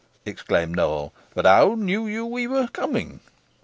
exclaimed Nowell, "but how knew you we were coming?"